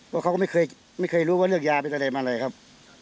ว่าเขาก็ไม่เคยไม่เคยรู้ว่าเลือกยาไปตัวเนี่ยมาเลยครับ